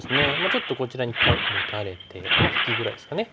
ちょっとこちらに一回モタれて引きぐらいですかね。